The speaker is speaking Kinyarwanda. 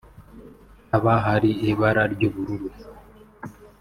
haba hari ibara ry’ubururu